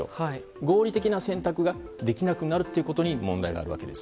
合理的な選択ができなくなることに問題があるわけです。